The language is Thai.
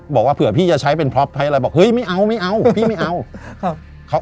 บอกว่าเผื่อพี่จะใช้เป็นพล็อปใช้อะไรบอกไม่เอาพี่ไม่เอา